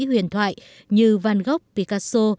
huyền thoại như van gogh picasso